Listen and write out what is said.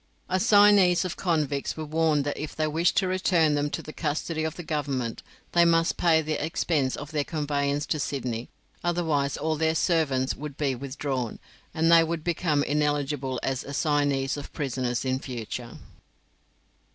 Assignees of convicts were warned that if they wished to return them to the custody of the Government, they must pay the expense of their conveyance to Sydney, otherwise all their servants would be withdrawn, and they would become ineligible as assignees of prisoners in future.